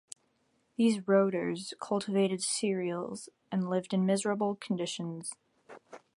These "roters" cultivated cereals, and lived in miserable conditions.